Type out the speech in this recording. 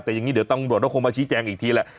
แต่อย่างนี้เดี๋ยวตำรวจก็คงมาชี้แจงอีกทีแหละ